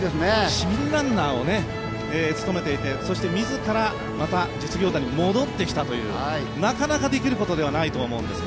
市民ランナーを務めていて、自らまた実業団に戻ってきたという、なかなかできることではないと思うんですね。